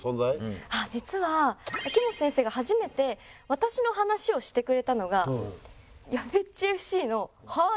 実は秋元先生が初めて私の話をしてくれたのが『やべっちＦ．Ｃ．』の。